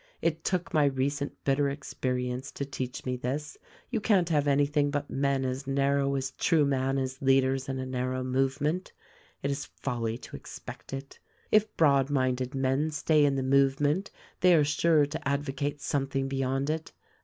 It took my recent bitter experience to teach me this ; you can't have anything but men as narrow as Trueman as leaders in a narrow movement — it is folly to expect it. If broadminded men stay in the movement they are sure to advocate something beyond it.